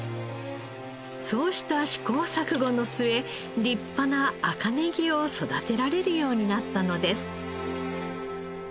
そうした試行錯誤の末立派な赤ネギを育てられるようになったのです。